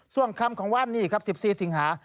ช่วงคำของวันนี้ครับ๑๔สิงหา